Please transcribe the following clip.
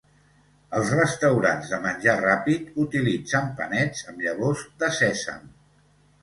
Els restaurants de menjar ràpid utilitzen panets amb llavors de sèsam.